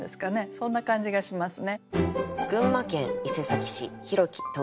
そんな感じがしますね。